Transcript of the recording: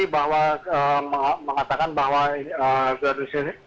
bahwa mengatakan bahwa garuda indonesia akan sempurna